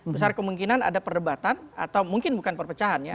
besar kemungkinan ada perdebatan atau mungkin bukan perpecahan ya